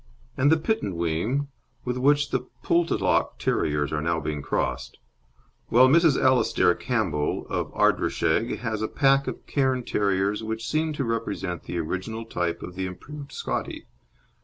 And the Pittenweem, with which the Poltalloch Terriers are now being crossed; while Mrs. Alastair Campbell, of Ardrishaig, has a pack of Cairn Terriers which seem to represent the original type of the improved Scottie.